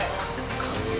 完璧。